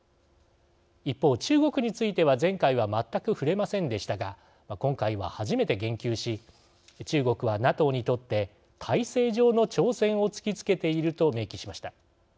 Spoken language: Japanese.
一方、中国については前回は全く触れませんでしたが今回は初めて言及し、中国はＮＡＴＯにとって体制上の挑戦を突きつけていると明記しました。